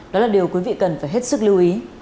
đó là điều quý vị cần phải hết sức lưu ý